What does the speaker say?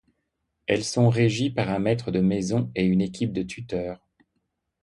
Elles sont régies par un maître de maison et une équipe de tuteurs.